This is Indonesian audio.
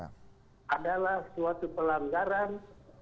adalah suatu pelanggaran